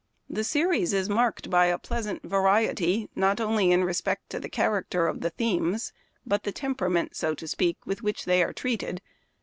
The series is marked by a pleasant variety, not only in respect to the character of the themes, but the temperament, so to speak, with which they are treated.